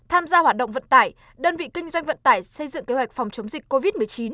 tham gia hoạt động vận tải đơn vị kinh doanh vận tải xây dựng kế hoạch phòng chống dịch covid một mươi chín